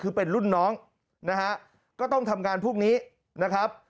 คือเป็นรุ่นน้องนะฮะก็ต้องทำงานพวกนี้นะครับ